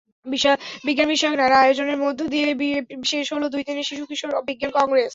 বিজ্ঞানবিষয়ক নানা আয়োজনের মধ্য দিয়ে শেষ হলো দুই দিনের শিশু-কিশোর বিজ্ঞান কংগ্রেস।